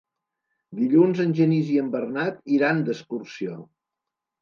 Dilluns en Genís i en Bernat iran d'excursió.